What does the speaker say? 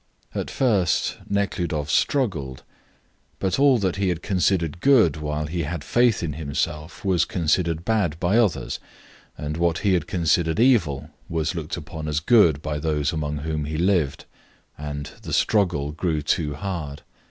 At first Nekhludoff struggled, but all that he had considered good while he had faith in himself was considered bad by others, and what he had considered evil was looked upon as good by those among whom he lived, and the struggle grew too hard.